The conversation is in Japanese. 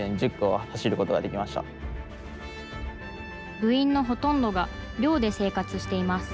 部員のほとんどが寮で生活しています。